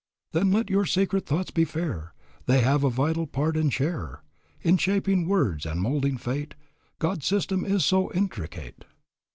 "Then let your secret thoughts be fair They have a vital part, and share In shaping words and moulding fate; God's system is so intricate."